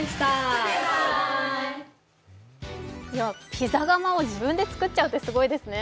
ピザ窯を自分でつくっちゃうってすごいですよね。